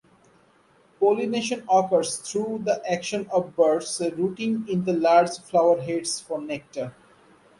Pollination occurs through the action of birds rooting in the large flowerheads for nectar.